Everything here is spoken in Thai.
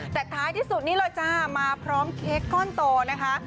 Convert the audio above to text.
แต่ท้ายที่สุดนี่เลยจ้ามาพร้อมเค้กก้อนโตนะคะ